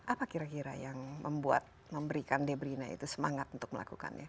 apa kira kira yang membuat memberikan debrina itu semangat untuk melakukannya